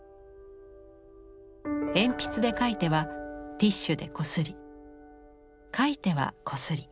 鉛筆で描いてはティッシュでこすり描いてはこすり。